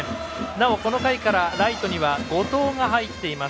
なお、この回からライトには後藤が入っています。